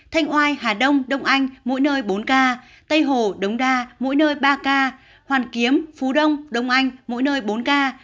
thanh oai hà đông đông anh mỗi nơi bốn ca tây hồ đống đa mỗi nơi ba ca hoàn kiếm phú đông đông anh mỗi nơi bốn ca